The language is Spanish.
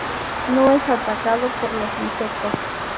No es atacado por los insectos.